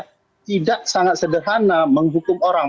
tidak sangat sederhana menghukum orang